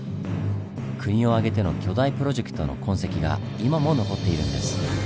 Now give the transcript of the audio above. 国を挙げての巨大プロジェクトの痕跡が今も残っているんです。